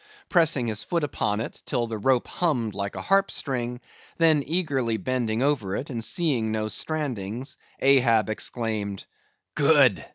Pressing his foot upon it, till the rope hummed like a harp string, then eagerly bending over it, and seeing no strandings, Ahab exclaimed, "Good!